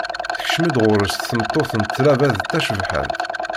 Tekcem-d ɣer-s tmeṭṭut s tlaba d tacebḥant